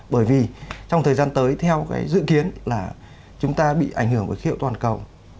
bởi vì trong thời gian tới theo cái dự kiến là chúng ta bị ảnh hưởng của khí hậu toàn cầu